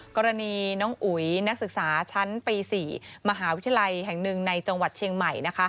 กรณีน้องอุ๋ยนักศึกษาชั้นปี๔มหาวิทยาลัยแห่งหนึ่งในจังหวัดเชียงใหม่นะคะ